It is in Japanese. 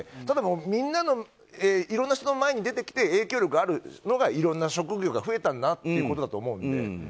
ただ、いろんな人の前に出てきて影響力あるのがいろんな職業が増えたんだなということだと思うので。